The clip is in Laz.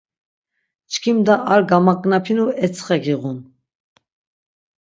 Çkimda ar gamognapinu etsxe giğun.